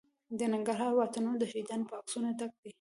د ننګرهار واټونه د شهیدانو په عکسونو ډک دي.